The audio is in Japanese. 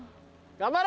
頑張れ！